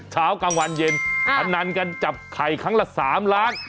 เช้ากลางวันเย็นพนันกันจับไข่ครั้งละ๓ล้าน